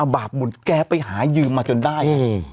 บาปบุตรแกไปหายืมมาจนได้